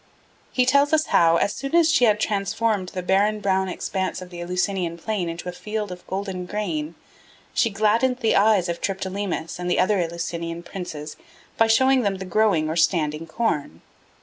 He tells us how, as soon as she had transformed the barren brown expanse of the Eleusinian plain into a field of golden grain, she gladdened the eyes of Triptolemus and the other Eleusinian princes by showing them the growing or standing corn.